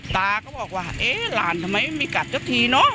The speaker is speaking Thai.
ตาก็บอกว่าเอ๊ะหลานทำไมไม่กัดสักทีเนอะ